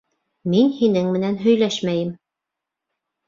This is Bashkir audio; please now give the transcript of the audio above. Мин һинең менән һөйләшмәйем.